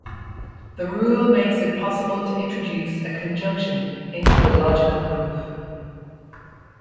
The rule makes it possible to introduce a conjunction into a logical proof.